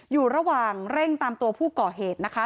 อยู่ระหว่างเร่งตามตัวผู้ก่อเหตุนะคะ